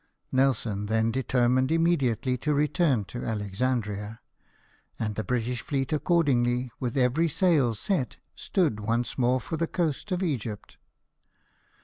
Nelson then determined immediately to return to Alexandria ; and the British Heet accord ingly, with every sail set, stood once more for the coast of Egypt.